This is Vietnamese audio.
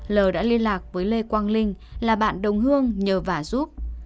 l đã liên lạc với lê quang linh là bạn đồng hương nhờ vả giúp